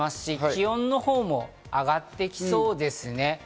気温のほうも上がってきそうですね。